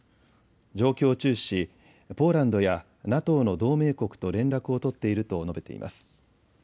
状況を注視しポーランドやＮＡＴＯの同盟国と連絡を取っていると述べています。